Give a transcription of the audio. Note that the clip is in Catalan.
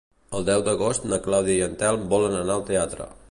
El deu d'agost na Clàudia i en Telm volen anar al teatre.